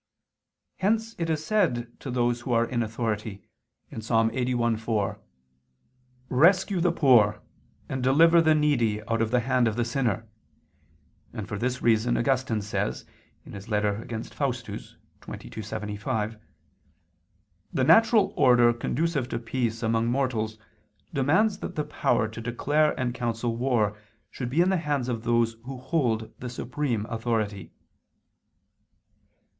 Hence it is said to those who are in authority (Ps. 81:4): "Rescue the poor: and deliver the needy out of the hand of the sinner"; and for this reason Augustine says (Contra Faust. xxii, 75): "The natural order conducive to peace among mortals demands that the power to declare and counsel war should be in the hands of those who hold the supreme authority."